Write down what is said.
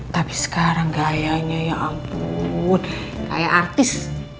tapi sekarang gayanya ya ampun kayak artis